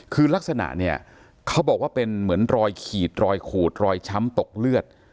คือลักษณะเนี่ยเขาบอกว่าเป็นเหมือนรอยขีดรอยขูดรอยช้ำตกเลือด